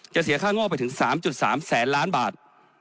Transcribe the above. เสียค่างอกไปถึง๓๓แสนล้านบาท